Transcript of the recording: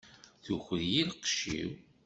Tuker-iyi lqecc-iw!